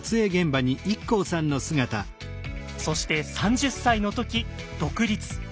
そして３０歳の時独立。